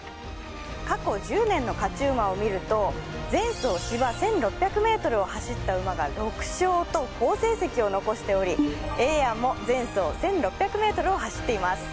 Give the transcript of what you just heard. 過去１０年の勝ち馬を見ると、前走芝１６００ｍを走った馬が６勝と好成績を残しておりエエヤンも１６００ｍを走っています。